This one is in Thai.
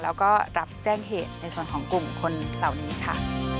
แล้วก็รับแจ้งเหตุในส่วนของกลุ่มคนเหล่านี้ค่ะ